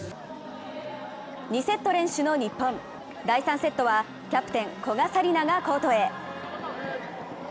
２セット連取の日本、第３セットはキャプテン・古賀紗理那がコートへ。